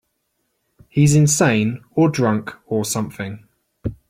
He's insane or drunk or something.